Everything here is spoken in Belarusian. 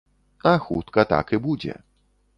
А хутка так і будзе.